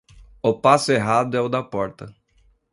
O passo errado é o da porta.